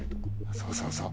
そうそうそう。